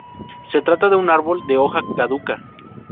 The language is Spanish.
Se trata de un árbol de hoja caduca.